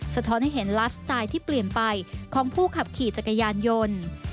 สะท้อนให้เห็นไลฟ์สไตล์ที่เปลี่ยนไปของผู้ขับขี่จักรยานยนต์